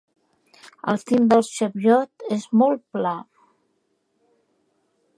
El cim del Cheviot és molt pla.